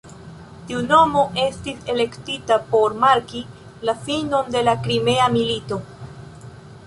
Tiu nomo estis elektita por marki la finon de la Krimea milito.